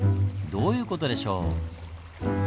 どういう事でしょう？